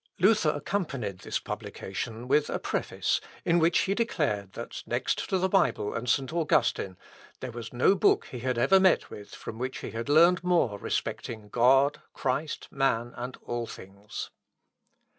Luther accompanied this publication with a preface, in which he declared, that next to the Bible and St. Augustine, there was no book he had ever met with, from which he had learned more respecting God, Christ, man, and all things.